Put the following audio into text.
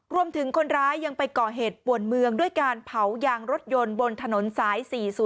คนร้ายยังไปก่อเหตุป่วนเมืองด้วยการเผายางรถยนต์บนถนนสาย๔๐